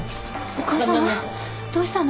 お母さんどうしたの？